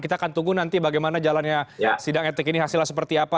kita akan tunggu nanti bagaimana jalannya sidang etik ini hasilnya seperti apa